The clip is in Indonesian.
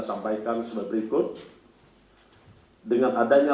sampaikan berikut dengan adanya